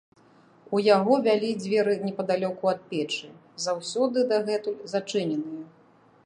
У яго вялі дзверы непадалёку ад печы, заўсёды дагэтуль зачыненыя.